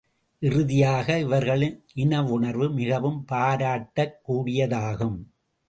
இறுதியாக, இவர்களின் இனவுணர்வு மிகவும் பாராட்டக் கூடியதாகும்.